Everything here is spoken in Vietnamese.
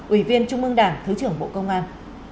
ủy viên trung ương đảng thứ trưởng bộ công an